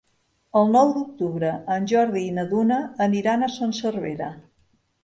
El nou d'octubre en Jordi i na Duna aniran a Son Servera.